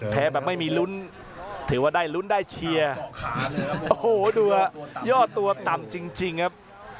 แบบไม่มีลุ้นถือว่าได้ลุ้นได้เชียร์โอ้โหดูยอดตัวต่ำจริงครับ